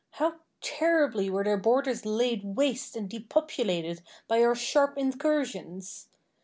How terribly were their borders laid waste and depopulated by our sharp incursions!